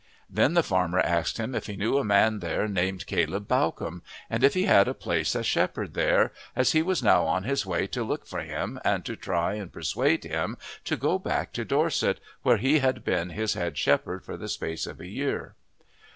Then the farmer asked him if he knew a man there named Caleb Bawcombe, and if he had a place as shepherd there, as he was now on his way to look for him and to try and persuade him to go back to Dorset, where he had been his head shepherd for the space of a year.